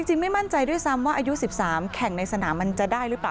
ไม่มั่นใจด้วยซ้ำว่าอายุ๑๓แข่งในสนามมันจะได้หรือเปล่า